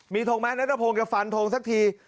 มีโทงไหมนักข่าวโทงกับฝันโทงสักที